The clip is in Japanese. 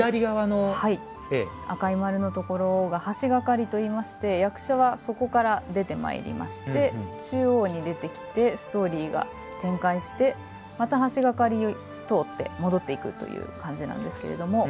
赤い丸のところが橋がかりといいまして役者はそこから出てまいりまして中央に出てきて、ストーリーが展開して、また橋がかり通って戻っていくという感じなんですけれども。